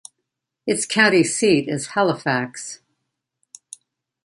Its county seat is Halifax.